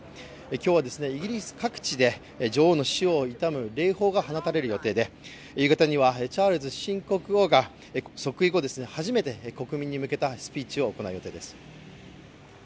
今日はイギリス各地で女王の死を悼む礼砲が放たれる予定で夕方にはチャールズ新国王が即位後、初めて国民に向けたスピーチを行う予定です。